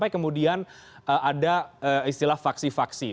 kemudian ada istilah vaksi vaksi